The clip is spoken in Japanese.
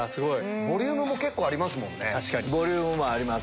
ボリュームもありますね。